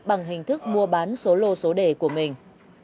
bằng hình thức mua bán số lô số đề của mình